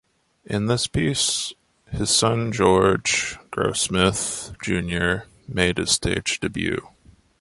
In this piece, his son George Grossmith Junior made his stage debut.